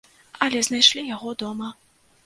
Але знайшлі яго дома.